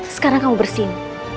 sekarang kamu bersihin